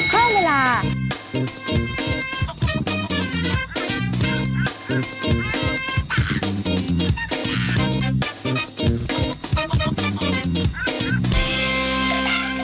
เพิ่มเวลา